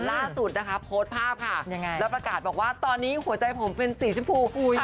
ล่าสุดนะคะโพสต์ภาพค่ะยังไงแล้วประกาศบอกว่าตอนนี้หัวใจผมเป็นสีชมพู